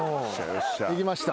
いきました。